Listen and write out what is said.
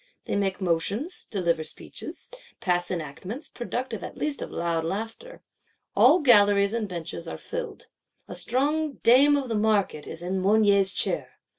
They make motions; deliver speeches; pass enactments; productive at least of loud laughter. All galleries and benches are filled; a strong Dame of the Market is in Mounier's Chair.